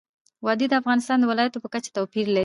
وادي د افغانستان د ولایاتو په کچه توپیر لري.